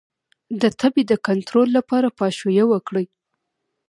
د تبې د کنټرول لپاره پاشویه وکړئ